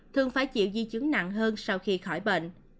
thường phải chịu di chứng nặng hơn sau khi khỏi bệnh